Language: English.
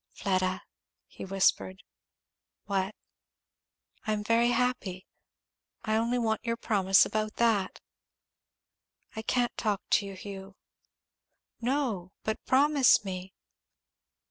"Fleda " he whispered. "What?" "I am very happy. I only want your promise about that." "I can't talk to you, Hugh." "No, but promise me."